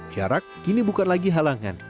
jarak kini bukan lagi halangan